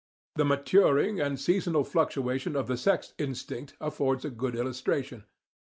The maturing and seasonal fluctuation of the sex instinct affords a good illustration.